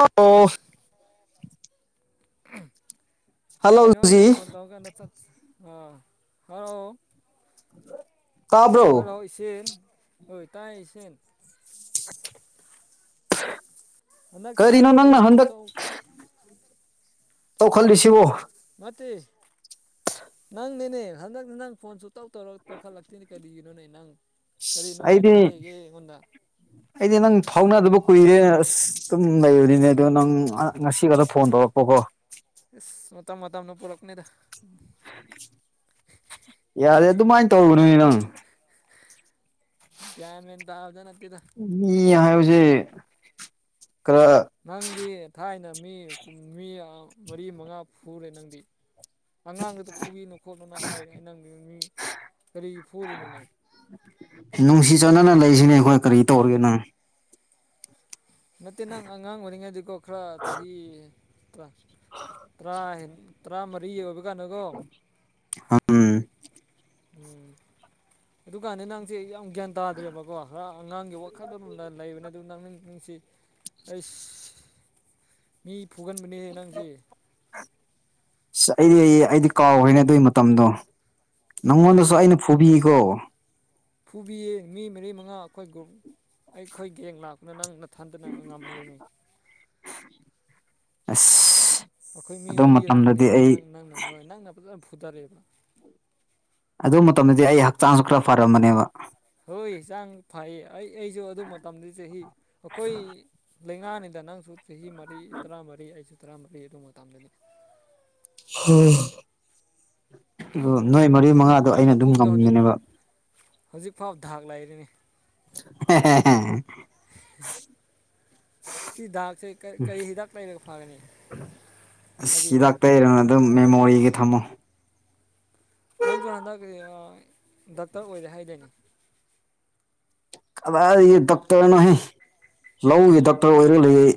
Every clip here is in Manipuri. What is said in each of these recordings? ꯑꯣ ꯑꯣꯐ ꯀꯩꯅꯣ ꯑꯩꯅ ꯍꯜꯂꯣꯖꯤ ꯐꯣꯟ ꯇꯧꯔꯀꯥꯟꯗ ꯆꯠ ꯑ ꯍꯜꯂꯣ ꯍꯜꯂꯣ ꯇꯥꯕ꯭ꯔꯣ ꯏꯁ ꯍꯣꯏ ꯇꯥꯏ ꯏꯁꯟ [unintelligible] ꯅꯪꯛꯁꯤ ꯅꯪ ꯀꯔꯤꯅꯣ ꯅꯪꯅ ꯐꯣꯟꯗꯣ ꯆ ꯍꯟꯗꯛ ꯍꯔ ꯇꯧ ꯈꯜꯂꯤꯁꯤꯕꯣ ꯃꯇꯦ ꯅꯪꯅꯦꯅꯦ ꯍꯟꯗꯛ ꯅꯪ ꯐꯣꯟ ꯁ ꯇꯧ ꯇꯧꯔ ꯇꯧꯈꯠꯂꯛꯇꯦꯅꯦ ꯀꯔꯤꯒꯤꯅꯣꯅꯦ ꯅꯪ ꯀꯔꯤ ꯑꯩꯗꯤ ꯅꯨꯡꯉꯥꯏꯇꯕ ꯂꯩꯒꯦ [inaudible] ꯑꯩꯗꯤ ꯅꯪ ꯐꯥꯎꯅꯗꯕ ꯀꯨꯏꯔꯦ ꯑꯁ ꯑꯗꯨꯝ ꯂꯩꯕꯅꯤꯅꯦ ꯑꯗꯣ ꯅꯪ ꯉꯁꯤꯒꯗ ꯐꯣꯟ ꯇꯧꯔꯛꯄꯀꯣ ꯏꯁꯁ ꯃꯇꯝ ꯃꯇꯝꯅ ꯄꯨꯔꯛꯅꯤꯗ ꯎ ꯌꯥꯔꯦ ꯑꯗꯨꯃꯥꯏꯅ ꯇꯧꯔꯨꯅꯅꯦ ꯅꯪ ꯟ ꯃꯦꯟꯦꯟ ꯇ ꯑꯥꯎꯗꯅ ꯇꯗ ꯌꯥꯁꯦ ꯈꯔ ꯅꯪꯗꯤ ꯊꯥꯏꯅ ꯃꯤ ꯃꯤ ꯃꯔꯤ ꯃꯉꯥ ꯐꯨꯔꯦ ꯅꯪꯗꯤ ꯑꯉꯥꯡꯗꯨꯗ ꯐꯨꯕꯤꯅꯣ ꯈꯣꯠꯅꯣꯅ ꯍꯥꯏꯔꯦ ꯑꯩ ꯅꯪꯒꯤ ꯃꯤ ꯀꯔꯤꯒꯤ ꯐꯨꯔꯤꯅꯣꯅꯦ ꯅꯨꯡꯁꯤ ꯆꯥꯟꯅꯅ ꯂꯩꯔꯤꯁꯤꯅꯦ ꯑꯩꯈꯣꯏ ꯀꯔꯤ ꯇꯧꯔꯤꯒꯦ ꯅꯪ ꯅꯠꯇꯦ ꯅꯪ ꯑꯉꯥꯡ ꯑꯣꯏꯔꯤꯉꯩꯗꯤꯀꯣ ꯈꯔ ꯆꯍꯤ ꯇꯔꯥ ꯍꯦꯟ ꯇꯔꯥꯃꯔꯤ ꯑꯣꯏꯕ ꯀꯥꯟꯅꯨꯒꯣ ꯎꯝ ꯎꯝ ꯑꯗꯨꯀꯥꯟꯗ ꯅꯪꯁꯦ ꯌꯥꯝ ꯒ꯭ꯌꯥꯟ ꯇꯥꯗ꯭ꯔꯦꯕꯀꯣ ꯈꯔ ꯑꯉꯥꯡꯒꯤ ꯋꯥꯈꯜꯣꯝꯗ ꯂꯩꯕꯅꯤ ꯑꯗꯨꯗ ꯅ ꯅꯅꯨꯡꯁꯦ ꯑꯩꯁ ꯃꯤ ꯐꯨꯒꯥꯟꯕꯅꯤꯍ ꯅꯪꯁꯦ ꯑꯁ ꯑꯩꯗꯤ ꯑꯩ ꯑꯩꯗꯤ ꯀꯥꯎꯈꯦꯅ ꯑꯗꯨꯏ ꯃꯇꯝꯗꯣ ꯅꯪꯉꯣꯟꯗꯁꯨ ꯑꯩꯅ ꯐꯨꯕꯤꯒꯣ ꯐꯨꯕꯤꯌꯦ ꯃꯤ ꯃꯔꯤ ꯃꯉꯥ ꯑꯩꯈꯣꯏ ꯒ꯭ꯔꯨꯞ ꯑꯩꯈꯣꯏ ꯒꯦꯡ ꯂꯥꯛꯄꯅ ꯅꯪ ꯊꯟꯗꯅ ꯉꯝꯃꯤꯔꯤꯅꯤ ꯑꯁ ꯑꯩꯈꯣꯏ ꯃꯤ ꯑꯗꯨ ꯃꯔꯤ ꯃꯇꯝꯗꯗꯤ ꯂꯥꯛꯄꯅꯦꯕ ꯑꯩ ꯅꯪ ꯅꯪꯅ ꯍꯣꯏ ꯅꯪꯅ ꯐꯖ ꯈꯨꯨꯗꯔꯦꯕ ꯑꯗꯨ ꯃꯇꯝꯗꯗꯤ ꯑꯩ ꯍꯛꯆꯥꯡꯁꯨ ꯈꯔ ꯐꯔꯝꯕꯅꯦꯕ ꯍꯣꯏꯆꯥꯡ ꯐꯩꯌꯦ ꯑꯩ ꯑꯩꯁꯨ ꯑꯗꯨ ꯃꯇꯝꯗ ꯆꯍꯤ ꯑꯩꯈꯣꯏ ꯂꯩꯉꯥꯛꯅꯤꯗ ꯅꯪꯁꯨ ꯆꯍꯤ ꯃꯔꯤ ꯇꯔꯥꯃꯔꯤ ꯑꯩꯁꯨ ꯇꯔꯥꯃꯔꯤ ꯑꯗꯨ ꯃꯇ ꯃꯇꯝꯗꯅꯤ ꯍ ꯑꯣ ꯅꯣꯏ ꯃꯔꯤ ꯃꯉꯥꯗꯣ ꯑꯩꯅ ꯅꯪꯅ ꯑꯗꯨꯝ ꯐꯨꯕꯗꯣ ꯉꯝꯒꯅꯦꯕ ꯍꯧꯖꯤꯛ ꯐꯥꯎ ꯗꯥꯛ ꯂꯩꯔꯤꯅꯤ ꯑꯣ ꯍ ꯍ ꯎꯝ ꯁꯤ ꯗꯥꯛꯁꯦ ꯀꯔꯤ ꯍꯤꯗꯥꯛ ꯂꯩꯔꯒ ꯐꯒꯅꯤ ꯑꯁ ꯍꯥꯏꯕꯤꯔꯣ ꯍꯤꯗꯥꯛ ꯑꯇꯥꯛ ꯇꯩꯔꯅ ꯑꯗꯨꯝ ꯃꯦꯃꯣꯔꯤꯒꯤ ꯊꯝꯃꯣ ꯅꯪꯁꯨ ꯍꯟꯗꯛ ꯗꯥꯛꯇꯔ ꯑꯣꯏꯔꯦ ꯍꯥꯏꯗꯣꯏꯅꯤ ꯀꯗꯥꯏ ꯗꯣꯛꯇꯔꯅꯣꯍ ꯂꯧꯒꯤ ꯗꯣꯛꯇꯔ ꯑꯣꯏꯔꯨ ꯂꯩ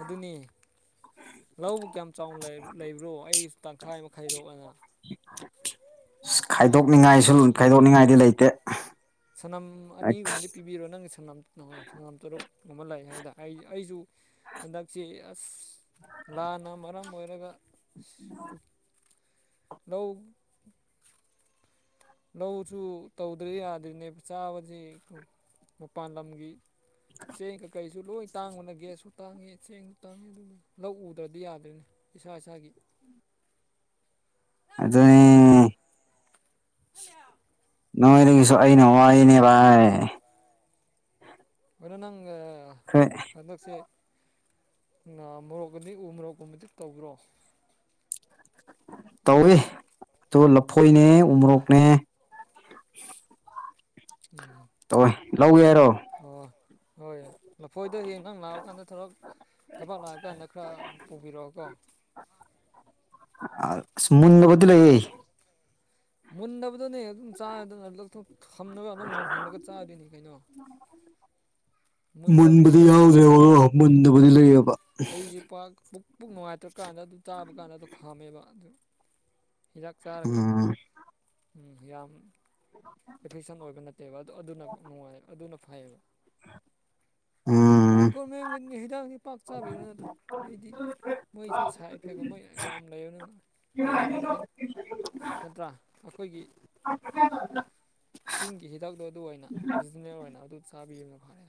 ꯑꯗꯨꯅꯤ ꯂꯧꯕꯨ ꯀꯌꯥꯝ ꯆꯥꯎꯅ ꯂꯩꯕ꯭ꯔꯣ ꯑꯩ ꯇꯪꯈꯥꯏ ꯃꯈꯩꯗꯣꯛꯑꯅ ꯈꯥꯏꯗꯣꯛꯅꯤꯡꯉꯥꯏꯁꯨ ꯁꯅꯝ ꯎꯝ ꯈꯥꯏꯗꯣꯛꯅꯤꯡꯉꯥꯏꯗꯤ ꯂꯩꯇꯦ ꯁꯅꯝ ꯑꯅꯤꯒꯨꯝꯕꯗꯤ ꯄꯤ ꯍꯥꯏꯕꯤꯔꯣ ꯅꯪꯒꯤ ꯁꯅꯥꯝ ꯇꯔꯨꯛ ꯑꯃ ꯂꯥꯛꯑꯦ ꯍꯥꯏꯗꯅ ꯑꯩ ꯑꯩꯁꯨ ꯍꯟꯗꯛꯁꯤ ꯑꯁ ꯂꯥꯟꯅ ꯃꯔꯝ ꯑꯣꯏꯔꯒ ꯅꯧ ꯂꯧꯁꯨ ꯇꯧꯗ꯭ꯔꯦ ꯌꯥꯗ꯭ꯔꯤꯅꯦ ꯆꯥꯕꯁꯤ ꯃꯄꯥꯟ ꯂꯝꯒꯤ ꯁꯤ ꯀ ꯀꯩ ꯁꯨ ꯂꯣꯏ ꯇꯥꯡꯕꯅ ꯒ꯭ꯌꯥꯁꯁꯨ ꯇꯥꯡꯉꯤ ꯆꯦꯡꯁꯨ ꯇꯥꯡꯉꯦ ꯑꯗꯨꯒ ꯂꯧ ꯎꯗ꯭ꯔꯗꯤ ꯌꯥꯗꯣꯏꯅꯦ ꯏꯁꯥ ꯏꯁꯥꯒꯤ ꯑꯗꯨ ꯑꯗꯨ ꯍꯂꯣ ꯅꯣꯡꯥꯏꯒꯤꯁꯨ ꯑꯩꯩꯅ ꯍꯏꯅꯦ ꯚꯥꯏ ꯔ ꯅꯪꯪ ꯍ ꯍꯟꯗꯛꯁꯦ ꯉ ꯃꯣꯔꯣꯛ ꯑꯗꯤ ꯎ ꯃꯣꯔꯣꯛꯀꯨꯝꯕꯗꯤ ꯇꯧꯈ꯭ꯔꯣ ꯇꯧꯏ ꯑꯣ ꯂꯐꯣꯏꯅꯦ ꯎꯣꯔꯣꯛꯅꯦ ꯎꯝ ꯇꯋꯏ ꯂꯧꯒꯦ ꯍꯥꯏꯔꯣ ꯑꯣ ꯍꯣꯏ ꯂꯐꯣꯏꯗꯣ ꯍꯌꯦꯡ ꯅꯪ ꯂꯥꯛꯑꯀꯥꯟꯗ ꯊꯔꯛ ꯊꯕꯛ ꯂꯥꯛꯑ ꯀꯥꯟꯗ ꯈꯔ ꯄꯨꯕꯤꯔꯛꯑꯣꯀꯣ ꯑꯃꯨꯟꯗꯕꯗꯤ ꯂ ꯌꯦ ꯃꯨꯟꯗꯕꯗꯅꯦ ꯑꯗꯨꯝ ꯆꯥꯔꯗꯅꯗꯊꯣꯛ ꯊꯝꯂꯒ ꯑꯗꯨꯝ ꯃꯨꯟꯍꯜꯂꯒ ꯆꯥꯗꯣꯏꯅꯤ ꯀꯩꯅꯣ ꯃꯨꯟꯗꯕꯗꯨꯅ ꯃꯨꯟꯕꯗꯤ ꯍꯦꯟꯅ ꯍꯥꯎꯋꯦ ꯌꯥꯎꯗ꯭ꯔꯦꯕ ꯑꯗꯨ ꯃꯨꯟꯗꯕꯨꯗꯤ ꯂꯩꯑꯕ ꯑꯩꯁꯦ ꯄꯥꯛ ꯄꯨꯛ ꯄꯨꯛ ꯅꯨꯡꯉꯥꯏꯇ꯭ꯔꯀꯥꯟꯗ ꯑꯗꯨ ꯇꯥꯕ ꯀꯥꯟꯗ ꯑꯗꯨꯣ ꯈꯥꯝꯃꯦꯕ ꯑꯗꯨ ꯍꯤꯗꯥꯛ ꯆꯥꯔꯒ ꯎꯝ ꯌꯥꯝ ꯑꯦꯐꯤꯁꯟ ꯑꯣꯏꯕ ꯅꯠꯇꯦꯕ ꯑꯗꯨ ꯑꯗꯨꯅ ꯅꯨꯡꯉꯥꯏ ꯑꯗꯨꯅ ꯐꯩꯌꯦꯕ ꯎꯝ ꯑꯩ ꯒꯣꯔꯃꯦꯟꯒꯅꯤ ꯍꯤꯗꯥꯛꯗꯤ ꯄꯥꯛ ꯆꯥꯕꯤꯔꯣꯅꯦꯠꯇ ꯑꯩꯗꯤ ꯃꯩꯁꯨ ꯁꯥꯏ ꯏꯐꯦꯒꯨꯝ ꯃꯩ ꯌꯥꯝ ꯂꯩꯅ ꯂꯥꯏꯔꯦꯝꯈꯩ ꯅꯠꯇ꯭ꯔꯥ ꯑꯩꯈꯣꯏꯒꯤ ꯑ ꯆꯤꯡꯒꯤ ꯍꯤꯗꯛꯇꯣ ꯑꯗꯨ ꯑꯣꯏꯅ ꯑꯣꯔꯤꯖꯤꯅꯦꯜ ꯑꯣꯏꯅ ꯑꯗꯨ ꯆꯥꯕꯤꯌꯨꯅ ꯐꯔꯦ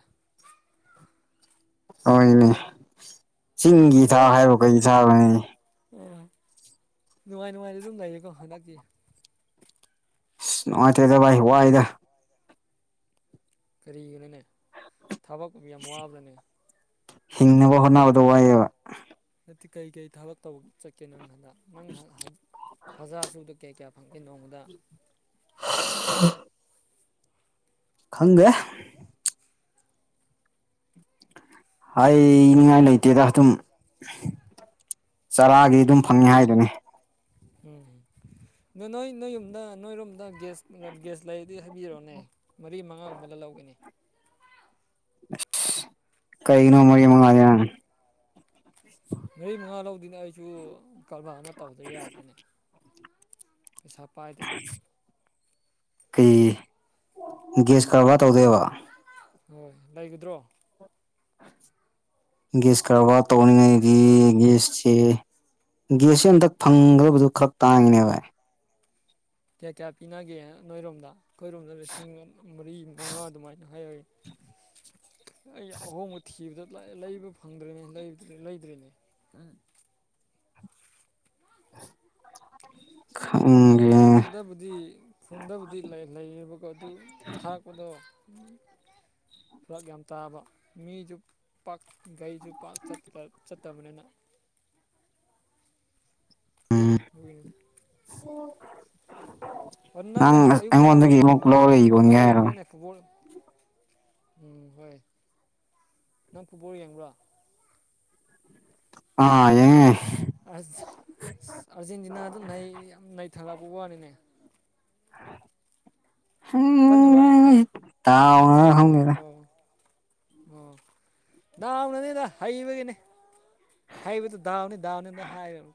ꯍꯅꯦ ꯆꯤꯡꯒꯤ ꯊꯥꯛ ꯍꯥꯏꯕ ꯀꯩ ꯊꯥꯕꯅꯤ ꯍꯣꯏꯣꯏ ꯅꯨꯡꯉꯥꯏ ꯅꯨꯡꯉꯥꯏꯗꯤ ꯑꯗꯨꯝ ꯂꯩꯌꯦꯀꯣ ꯍꯟꯗꯛꯇꯀꯤꯤ ꯑꯁ ꯅꯨꯡꯉꯥꯏꯇꯦꯗ ꯚꯥꯏ ꯋꯥꯏꯗ ꯀꯔꯤꯒꯤꯅꯅꯦ ꯊꯕꯛ ꯌꯥꯝ ꯋꯥꯕ꯭ꯔꯥꯅꯦ ꯍꯤꯡꯅꯕ ꯍꯣꯠꯅꯕꯗꯣ ꯋꯥꯏꯑꯦꯕ ꯅꯠꯇꯦ ꯀꯩꯀꯩ ꯊꯕꯛ ꯇꯧꯕ ꯆꯠꯀꯦ ꯅꯪ ꯍꯟꯗꯛ ꯅꯪ ꯍꯖꯥ ꯁꯗ ꯀꯌꯥ ꯀꯌꯥ ꯐꯪꯇꯦꯟ ꯅꯣꯡꯃꯗ ꯎ ꯈꯪꯦ ꯍꯥꯏꯅꯤꯡꯉꯥꯏ ꯂꯩꯇꯦꯗ ꯑꯗꯨꯝ ꯆꯔꯥꯒꯤ ꯑꯗꯨꯝ ꯐꯪꯉ ꯍꯥꯏꯗꯨꯅꯤ ꯎꯝ ꯅ ꯅꯣꯏ ꯅꯣꯏ ꯌꯨꯝꯗ ꯅꯣꯏꯔꯣꯝꯗ ꯒ꯭ꯌꯥꯁ ꯒ꯭ꯌꯥꯁ ꯂꯩꯔꯗꯤ ꯍꯥꯏꯕꯤꯔꯛꯑꯣꯅꯦ ꯃꯔꯤ ꯃꯉꯥꯒꯨꯝꯕꯗ ꯂꯧꯒꯅꯤ ꯀꯩꯅꯣꯃꯔꯤ ꯃꯉꯗ ꯃꯔꯤ ꯃꯉꯥ ꯂꯧꯗꯅꯦ ꯑꯩꯁꯨ ꯀꯔꯕꯥꯔ ꯑꯃ ꯇꯧꯗ꯭ꯔ ꯌꯥꯗ꯭ꯔꯦꯅꯦ ꯄꯩꯁꯥ ꯄꯥꯏꯗꯅꯤ ꯀꯩ ꯒꯦꯁ ꯀꯔꯕꯥꯔ ꯇꯧꯗꯣꯏꯕ ꯍꯣꯏ ꯂꯩꯒꯗ꯭ꯔꯣ ꯒꯦꯁ ꯈꯔꯕꯥꯔ ꯇꯧꯅꯤꯡꯉꯥꯏꯒꯤꯒꯦꯁꯁꯦ ꯒꯦꯁꯁꯦ ꯍꯟꯇꯛ ꯐꯪꯒꯗꯕꯗꯨ ꯈꯔ ꯇꯥꯡꯉꯤꯅꯦ ꯚꯥꯏ ꯀꯌꯥ ꯀꯌꯥ ꯄꯤꯅꯒꯦ ꯅꯣꯏꯔꯣꯝꯗ ꯑꯩꯈꯣꯏꯔꯣꯝꯗ ꯂꯤꯁꯤꯡ ꯃꯔꯤ ꯃꯉꯥ ꯑꯗꯨꯃꯥꯏꯅ ꯍꯥꯏꯌꯦ [unintelligible] ꯑꯩ ꯑꯍꯣꯡꯕ ꯊꯤꯕꯗ ꯂꯩꯕ ꯐꯪꯗ꯭ꯔꯦꯅꯦ ꯂꯩꯗ꯭ꯔꯦꯅꯦ ꯎꯝ ꯈꯪꯗꯦ ꯈꯨꯟꯗꯕꯨꯗꯤ ꯐꯨꯟꯗꯕꯨꯗꯤ ꯂꯩꯌꯦꯕꯀꯣ ꯑꯗꯨ ꯊꯥꯛꯄꯗꯣ ꯊꯨꯔꯥꯛ ꯌꯥꯝ ꯇꯥꯕ ꯃꯤꯁꯨ ꯄꯥꯛ ꯒꯥꯔꯤꯁꯨ ꯄꯥꯛ ꯆꯠꯇꯕꯅꯤꯅ ꯎꯝ ꯑꯗꯨꯒꯤꯅꯤ ꯑꯣ ꯅꯪ ꯑꯌꯨꯛꯇ ꯑꯩꯉꯣꯟꯗꯒꯤ ꯑꯃꯨꯛ ꯂꯧꯔ ꯋꯥꯋꯥꯛ ꯌꯣꯟꯒꯦ ꯑꯥꯎꯠ ꯍꯥꯏꯔꯣ ꯌꯦꯡꯕ꯭ꯔꯅꯦ ꯐꯨꯠꯕꯣꯜ ꯎꯝ ꯍꯣꯏ ꯅꯪ ꯐꯨꯠꯕꯣꯜ ꯌꯦꯡꯕ꯭ꯔꯣ ꯑꯥ ꯌꯦꯡꯉꯤ ꯌꯦꯡꯉꯤ ꯑꯁ ꯑꯥꯔꯖꯦꯟꯇꯤꯅꯥ ꯗꯨ ꯅꯩ ꯌꯥꯝ ꯅꯩꯊꯂꯛꯄ ꯋꯥꯅꯤꯅꯦ ꯇꯪꯅ ꯚꯥꯏ ꯗꯥꯎꯅꯔ ꯈꯪꯗꯦꯗ ꯑꯣ ꯑꯣ ꯗꯥꯎꯅꯅꯤꯗ ꯍꯩꯕꯒꯤꯅꯦ ꯍꯩꯕꯗꯨ ꯗꯥꯎꯅꯤ ꯗꯥꯎꯅꯤꯗ ꯍꯥꯏꯌꯨ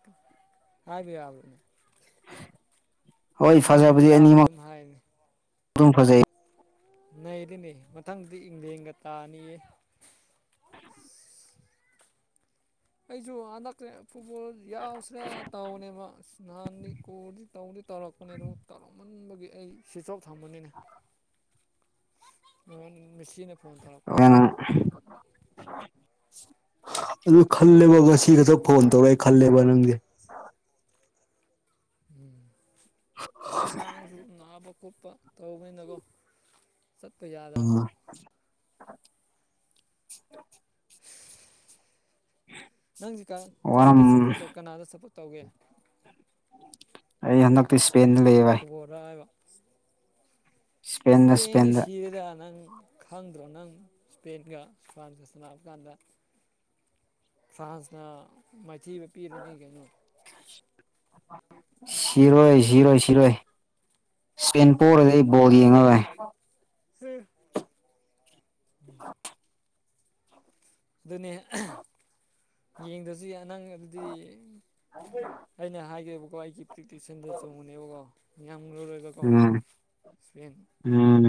ꯍꯥꯏꯕ ꯌꯥꯕꯅꯦ ꯍꯣꯏ ꯉꯝꯃꯗꯤ ꯐꯖꯕꯗꯤ ꯗꯥꯎꯅꯤ ꯑꯅꯤꯃꯛ ꯑꯗꯨꯝ ꯍꯥꯏꯕꯅꯦ ꯑꯗꯨꯝ ꯐꯖꯩ ꯅꯩꯗꯤ ꯅꯩ ꯃꯊꯪꯗꯤ ꯏꯪꯂꯦꯟꯒ ꯇꯥꯅꯤꯌꯦ ꯑꯩꯁꯨ ꯍꯟꯗꯛ ꯐꯨꯠꯕꯣꯜ ꯌꯥꯎꯁꯤꯔꯥ ꯇꯧꯕꯅꯦꯕ ꯅꯥꯍꯟꯗꯤ ꯀ꯭ꯥꯜꯗꯤ ꯇꯧꯗꯤ ꯇꯧꯔꯛꯄꯅꯦ ꯑꯗꯨ ꯇꯧꯔꯃꯦ ꯄꯨꯟꯕꯒꯤ ꯑꯩ ꯁ꯭ꯋꯤꯇꯆ ꯑꯣꯐ ꯊꯝꯕꯅꯤꯅꯦ ꯃꯃꯣꯟ ꯃꯤꯁꯤꯅ ꯐꯣꯟ ꯇꯔꯛ ꯑꯩꯅꯥ ꯑꯗꯨ ꯈꯜꯂꯦꯕ ꯉꯁꯤ ꯈꯛꯇ ꯐꯣꯟ ꯇꯧꯔ ꯈꯜꯂꯦꯕ ꯃꯦꯁꯤꯗ ꯅꯪꯗꯤ ꯑꯉꯥꯡꯁꯨ ꯅꯥꯕ ꯈꯣꯠꯄ ꯇꯧꯕꯅꯤꯅꯀꯣ ꯆꯠꯄ ꯌꯥꯗꯕ ꯒ ꯅꯪꯁꯤ ꯋꯥꯔꯝ ꯀꯔꯤꯗ ꯁꯞꯄꯣꯔꯠ ꯇꯧ ꯀꯅꯥꯗ ꯁꯞꯄꯣꯔꯠ ꯇꯧꯒꯦ ꯑꯩ ꯍꯥꯟꯗꯛꯇꯤ ꯏꯁꯄꯦꯟ ꯗ ꯂꯩꯌꯦ ꯚꯥꯏ ꯏꯁꯄꯦꯟꯗ ꯏꯁꯄꯦꯟ ꯗꯤ ꯏꯁꯄꯦꯟꯗ ꯁꯤꯔꯦꯗ ꯅꯪ ꯈꯪꯗ꯭ꯔꯣ ꯅꯪ ꯏꯁꯄꯦꯟꯒ ꯐꯔꯝꯁꯦꯟꯒ ꯁꯥꯟꯅꯕ ꯀꯥꯟꯗ ꯐ꯭ꯔꯥꯟꯁꯅ ꯃꯥꯏꯊꯤꯕ ꯄꯤꯔꯅꯤ ꯀꯩꯅꯣ ꯁꯤꯔꯣꯏ ꯁꯤꯔꯣꯏ ꯁꯤꯔꯣꯏ ꯏꯁꯄꯦꯟ ꯄꯣꯔꯗꯤ ꯑꯩ ꯕꯥ꯭ꯜ ꯌꯦꯡꯉꯔꯣꯏ ꯎ ꯎꯝ ꯑꯗꯨꯅꯦ ꯌꯦꯡꯗꯁꯨ ꯌꯥꯏ ꯅꯪ ꯑꯗꯨꯗꯤ ꯍꯥꯏ ꯑꯩꯅ ꯍꯥꯏꯒꯕꯀꯣ ꯑꯩꯒꯤ ꯄ꯭ꯔꯤꯇꯤꯛꯁꯟꯗ ꯆꯨꯝꯒꯅꯦꯕꯀꯣ ꯌꯥꯝ ꯂꯨ ꯂꯣꯏꯕ ꯀꯣ ꯎꯝ ꯢꯁꯄꯦꯟ ꯎꯝ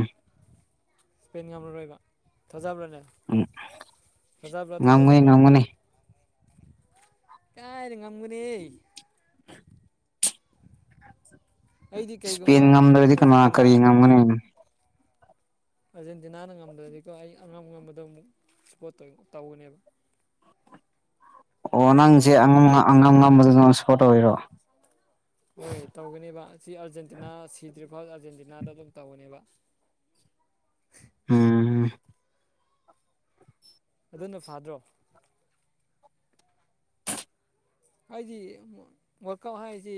ꯏꯁꯄꯦꯟ ꯉꯝꯃꯔꯣꯏꯕ ꯊꯥꯖꯕ꯭ꯔꯅꯦ ꯎꯝ ꯊꯥꯖꯕ꯭ꯔꯥ ꯊꯥꯖꯗꯕ꯭ꯔꯥ ꯀꯥꯏꯗ ꯉꯝꯒꯅꯤ ꯑꯩꯗꯤ ꯏꯁꯄꯦꯟ ꯀꯩꯒꯨꯝꯕ ꯉꯝꯗ꯭ꯔꯗꯤ ꯀꯅꯥ ꯀꯔꯤ ꯑꯥꯔꯖꯦꯟꯇꯤꯅꯥ ꯉꯝꯒꯅꯤ ꯑꯥꯔꯖꯦꯟꯇꯤꯅꯥꯅ ꯉꯝꯗ꯭ꯔꯗꯤꯀꯣ ꯑꯩ ꯑꯉꯝ ꯉꯝꯕꯗꯣ ꯑꯃꯨꯛ ꯁꯞꯄꯣꯔꯠ ꯇꯧꯒꯅꯦꯕ ꯑꯣ ꯀꯔꯤꯒꯨꯝꯕ ꯅꯪꯁꯦ ꯑꯉꯝ ꯑꯥꯔꯖꯦꯟꯇꯤꯅꯥ ꯑꯉꯝ ꯉꯝꯗ꯭ꯔꯗꯤ ꯉꯝꯕꯗꯣ ꯅꯪ ꯁꯄꯣꯔꯠ ꯇꯧꯔꯤꯔꯣ ꯍꯣꯏ ꯇꯧꯒꯅꯤꯕ ꯁꯤ ꯑꯥꯔꯖꯦꯟꯇꯤꯅꯥ ꯁꯤꯗ꯭ꯔꯤꯐꯥꯎ ꯑꯥꯔꯖꯦꯟꯇꯤꯅꯥꯗ ꯑꯗꯨꯝ ꯇꯧꯒꯅꯦꯕ ꯎꯝ ꯑꯗꯨꯅ ꯐꯥꯗ꯭ꯔꯣ ꯑꯩꯗꯤ ꯋꯥꯜ ꯀꯂꯨꯕ ꯍꯥꯏꯁꯤ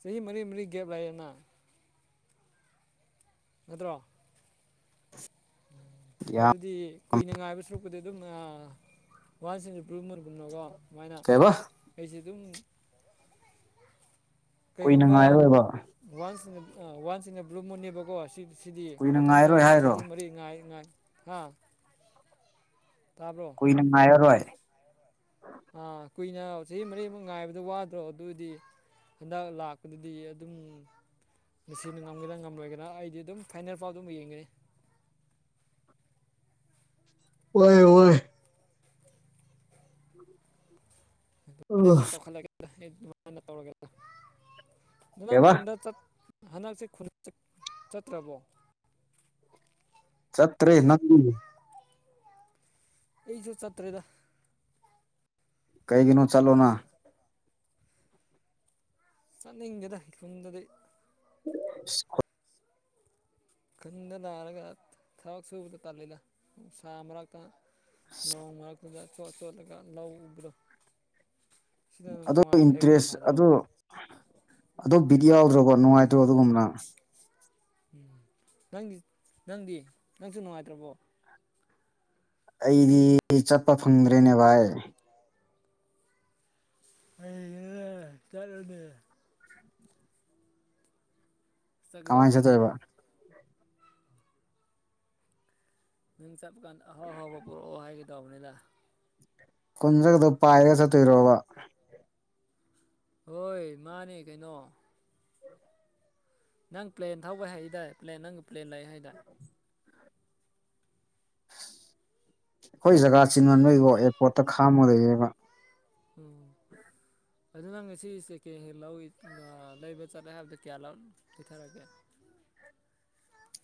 ꯆꯍꯤ ꯃꯔꯤ ꯃꯔꯤ ꯒꯦꯞ ꯂꯩꯌ‌ꯦꯅ ꯅꯠꯇ꯭ꯔꯣ ꯌꯥꯝ ꯑꯗꯨꯗꯤ ꯀꯨꯏꯅ ꯉꯥꯏꯕ ꯁꯨꯔꯨꯛꯄꯨꯗꯤ ꯑꯗꯨꯝ ꯋꯥꯟꯁ ꯏꯟ ꯑ ꯕ꯭ꯂꯨ ꯃꯨꯟ ꯒꯨꯝꯅꯀꯣ ꯀꯩꯕ ꯑꯩꯁꯨ ꯑꯗꯨꯝ ꯀꯨꯏꯅ ꯀꯩꯒꯨꯝꯕ ꯉꯥꯏꯔꯣꯏꯕ ꯋꯥꯟꯁꯤꯡ ꯋꯥꯟꯁ ꯏꯟ ꯑ ꯕ꯭ꯂꯨ ꯃꯨꯟ ꯅꯦꯕꯀꯣ ꯑꯁꯤ ꯁꯤꯗꯤ ꯀꯨꯏꯅ ꯃꯊꯪꯗ ꯉꯥꯏꯔꯣꯏ ꯑꯃꯨꯛ ꯍꯥꯏꯔꯣ ꯆꯍꯤ ꯃꯔꯤ ꯉꯥꯏ ꯉꯥꯏ ꯍꯥ ꯇꯥꯕ꯭ꯔꯣ ꯀꯨꯏꯅ ꯉꯥꯏꯔꯔꯣꯏ ꯑꯥ ꯀꯨꯏꯅ ꯆꯍꯤ ꯃꯔꯤꯃꯨꯛ ꯉꯥꯏꯕꯗ ꯋꯥꯗ꯭ꯔꯣ ꯑꯗꯨꯑꯣꯏꯗꯤ ꯍꯟꯗꯛ ꯂꯥꯛꯄꯗꯗꯤ ꯑꯗꯨꯝ ꯃ‌ꯦꯁꯤꯅ ꯉꯝꯒꯦꯔꯥ ꯉꯝꯂꯣꯏꯒ‌ꯦꯔꯥ ꯑꯩꯗꯤ ꯑꯗꯨꯝ ꯐꯥꯏꯅꯦꯜ ꯐꯥꯎ ꯑꯗꯨꯝ ꯌꯦꯡꯒꯅꯤ [unintelligible] [unintelligible] [unintelligible] ꯅꯪ ꯀꯩꯕ ꯈꯨꯟꯗ ꯆꯠ ꯍꯟꯗꯛꯁꯦ ꯈꯨ ꯆꯠꯇ꯭ꯔꯕꯣ ꯆꯠꯇ꯭ꯔꯦ ꯅꯪꯗꯤ ꯑꯩꯁꯨ ꯆꯠꯇ꯭ꯔꯦꯗ ꯀꯩꯒꯤꯅꯣ ꯆꯠꯂꯣꯅ ꯆꯠꯅꯤꯡꯗ‌ꯦꯗ ꯈꯨꯟꯗꯗꯤ ꯏꯁ ꯈꯨꯟꯗ ꯅꯥꯔꯒ ꯊꯕꯛ ꯁꯨꯕꯗ ꯇꯥꯜꯂꯤꯗ ꯅꯨꯡꯁꯥ ꯃꯔꯛꯇ ꯅ‌ꯣꯡ ꯃꯔꯛꯇꯨꯗ ꯆ‌ꯣꯠ ꯆ‌ꯣꯠꯂꯒ ꯂꯧ ꯎꯕꯗ‌ꯣ ꯑꯗꯨ ꯏꯟꯇꯔꯦꯁ ꯑꯗꯨ ꯑꯗꯨ ꯕꯤꯠ ꯌꯥꯎꯗ꯭ꯔꯣꯕꯣ ꯅꯨꯡꯉꯥꯏꯇ꯭ꯔꯣ ꯑꯗꯨꯒꯨꯝꯅ ꯎꯝ ꯅꯪꯗꯤ ꯅꯪꯗꯤ ꯅꯪꯁꯨ ꯅꯨꯡꯉꯥꯏꯇ꯭ꯔꯕꯣ ꯑꯩꯗꯤ ꯆꯠꯄ ꯐꯪꯗ꯭ꯔꯦꯅꯦ ꯚꯥꯏ ꯑꯩ ꯑ ꯇꯠꯂꯅꯤ ꯀꯃꯥꯏꯅ ꯆꯠꯀꯗꯕꯅꯤꯅꯦ ꯆꯠꯇꯣꯏꯕ ꯅꯪ ꯆꯠꯄ ꯀꯥꯟꯗ ꯑꯍꯥꯎ ꯑꯍꯥꯎꯕ ꯄꯨꯔꯛꯑꯣ ꯍꯥꯏꯒꯦ ꯇꯧꯕꯅꯤꯗ ꯀꯨꯟꯖꯒꯗꯣ ꯄꯥꯏꯔꯒ ꯆꯠꯇꯣꯏꯔꯣꯕ ꯍꯣꯏ ꯃꯥꯅꯦ ꯀꯩꯅꯣ ꯅꯪ ꯄ꯭ꯂꯦꯟ ꯊꯧꯕ ꯍꯩꯗꯥꯏ ꯄ꯭ꯂ‌ꯦꯟ ꯅꯪ ꯄ꯭ꯂꯦꯟ ꯂꯩ ꯍꯥꯏꯗꯥꯏ ꯑꯩꯈꯣꯏ ꯖꯒꯥ ꯆꯤꯟꯃꯟꯕꯩꯀꯣ ꯑꯦꯌꯥꯔꯄꯣꯔꯠꯇ ꯈꯥꯝꯃ ꯂꯩꯌ‌ꯦꯕ ꯎꯝ ꯑꯗꯨ ꯅꯪ ꯉꯁꯤ ꯁꯦꯀꯦꯟ ꯍꯦꯟ ꯂꯧꯏ ꯑ ꯂꯩꯕ ꯆꯠꯂꯦ ꯍꯥꯏꯕꯗ ꯀꯌꯥ ꯂꯧꯅꯣ ꯆꯊꯔꯛꯒꯦ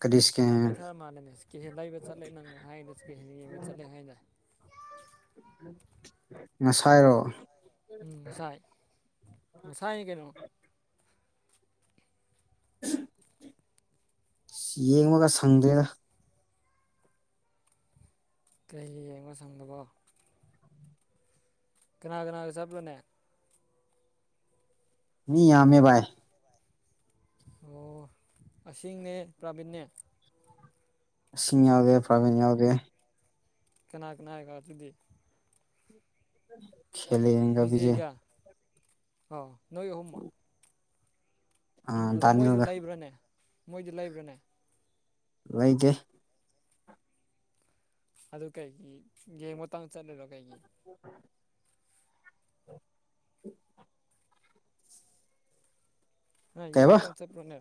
ꯀꯔꯤ ꯏꯁꯀꯦꯟ ꯌꯥꯝ ꯂꯩꯊꯔ ꯃꯥꯜꯂꯦꯅꯦ ꯀꯦꯍꯦꯟ ꯂꯩꯕ ꯆꯠꯂꯦ ꯅꯪꯅ ꯍꯥꯏꯗ ꯀꯦ ꯍꯦꯟ ꯌꯦꯡꯕ ꯆꯠꯂꯦ ꯍꯥꯏꯅꯦ ꯉꯁꯥꯏꯔꯣ ꯎꯝ ꯉꯁꯥꯏ ꯉꯁꯥꯏ ꯀꯩꯅꯣ ꯌꯦꯡꯕꯒ ꯁꯪꯗ‌ꯦꯗ ꯀꯩ ꯌꯦꯡꯉ ꯁꯪꯗꯕꯣ ꯀꯅꯥ ꯀꯅꯥꯒ ꯆꯠꯄ꯭ꯔꯅ‌ꯦ ꯃꯤ ꯌꯥꯃꯦ ꯕꯥꯏ ꯑꯣ ꯑꯁꯤꯡꯅꯦ ꯄ꯭ꯔꯥꯕꯤꯟꯅꯦ ꯏꯁꯤꯡ ꯌꯥꯎꯗꯦ ꯄ꯭ꯔꯥꯕꯤꯟ ꯌꯥꯎꯗꯦ ꯀꯅꯥ ꯀꯅꯥꯒ ꯑꯗꯨꯗꯤ ꯎꯝ ꯕꯤꯖꯩꯒꯥ ꯑꯣ ꯅꯣꯏ ꯑꯍꯣꯨꯝꯥ ꯑ ꯑꯗꯣ ꯃꯣꯏꯁꯨ ꯗꯥꯅꯤꯜꯒ ꯂꯩꯕ꯭ꯔꯥꯅꯦ ꯃꯣꯏꯁꯨ ꯂꯩꯕ꯭ꯔꯥꯅꯦ ꯂꯩꯗꯦ ꯑꯗꯨ ꯀꯩꯒꯤ ꯌꯦꯡꯕꯇꯪ ꯆꯠꯂꯔꯣ ꯀꯩꯒꯤ ꯎ ꯅ ꯀꯩꯕ ꯌꯦꯡꯕꯇꯪ ꯆꯠꯄ꯭ꯔꯣꯅꯦ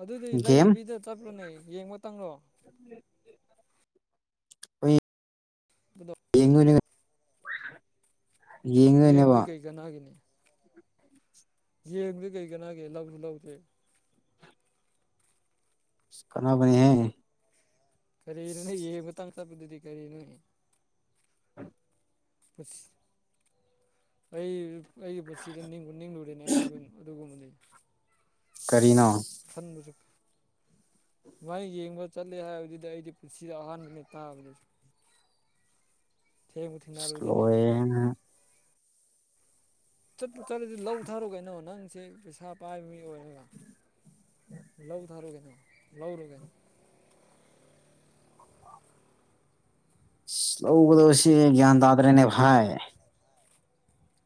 ꯑꯗꯨꯏꯗꯤ ꯒꯦꯝ ꯂꯩꯗꯨꯕꯤꯗ ꯆꯠꯄ꯭ꯔꯣꯅꯦ ꯌꯦꯡꯕꯇꯪꯔꯣ ꯀꯗꯣ ꯅ‌ꯣꯏꯅ ꯌꯦꯡꯕꯗꯤ ꯀꯩ ꯀꯅꯥꯒꯤꯅꯤ ꯌꯦꯡꯗꯦ ꯀꯩ ꯀꯅꯥꯒꯦ ꯂꯧꯁꯨ ꯂꯧꯗꯦ ꯀꯥꯅꯕꯅꯦ ꯍ‌ꯦ ꯀꯔꯤꯅꯣꯅꯦ ꯌꯦꯕꯥꯡ ꯆꯠꯄꯗꯨꯗꯤ ꯀꯔꯤꯅꯣ ꯎꯝ ꯑꯩ ꯑꯩꯒꯤ ꯄꯨꯟꯁꯤꯗ ꯅꯤꯡꯕ ꯅꯤꯡꯂꯨꯔꯦꯅꯦ ꯑꯗꯨꯒꯨꯝꯕꯗꯤ ꯀꯔꯤꯅꯣ ꯈꯟꯕꯁꯨ ꯃꯥꯏ ꯌꯦꯡꯕ ꯆꯠꯂꯦ ꯍꯥꯏꯕꯗꯨꯗꯤ ꯑꯩꯗꯤ ꯄꯨꯟꯁꯤꯗ ꯑꯍꯥꯟꯕꯅꯤ ꯇꯥꯕꯅꯤ ꯊꯦꯡꯉꯕꯨ ꯑꯁ ꯊꯦꯡꯅꯔꯨꯗꯨꯏꯅꯦ ꯂꯣꯏꯔꯦꯍꯦ ꯆꯠꯄꯨ ꯆꯠꯂꯗꯤ ꯂꯧ ꯊꯥꯔꯨ ꯀꯩꯅꯣ ꯅꯪꯁꯦ ꯄꯩꯁꯥ ꯄꯥꯏꯕ ꯃꯤ ꯑꯣꯏꯔꯒ ꯂꯧꯊꯔꯨꯒꯅꯣ ꯂꯧꯔꯨꯒꯅꯣ ꯂꯧꯒꯗꯣꯁꯤ ꯭ꯌꯥꯟ ꯇꯥꯗ꯭ꯔꯦꯅꯦ ꯚꯥꯏ